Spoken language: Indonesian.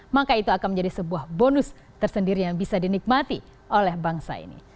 maka itu akan menjadi sebuah bonus tersendiri yang bisa dinikmati oleh bangsa ini